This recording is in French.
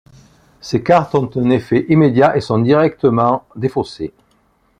Ces cartes ont un effet immédiat et sont directement défaussées.